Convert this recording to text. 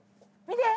見て。